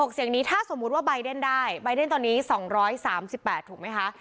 เสียงนี้ถ้าสมมุติว่าใบเดนได้ใบเดนตอนนี้๒๓๘ถูกไหมคะ